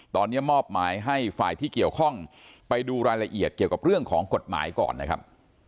ตอนนี้มอบหมายให้ฝ่ายที่เกี่ยวข้องไปดูรายละเอียดเกี่ยวกับเรื่องของกฎหมายก่อนนะครับ